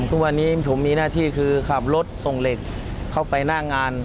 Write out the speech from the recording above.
ทุกวันนี้ผมมีหน้าที่คือขับรถส่งเหล็กเข้าไปหน้างาน